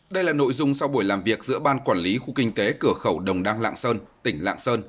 đây là nội dung sau buổi làm việc giữa ban quản lý khu kinh tế cửa khẩu đồng đăng lạng sơn tỉnh lạng sơn